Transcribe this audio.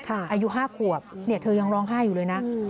อายุ๕ขวบเธอยังร้องไห้อยู่เลยนะ